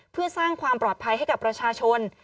เพื่อสร้างความปลอดภัยให้กับประชาชน